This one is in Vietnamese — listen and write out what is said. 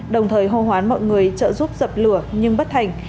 đồng thời hô hoán mọi người trợ giúp dập lửa nhưng bất thành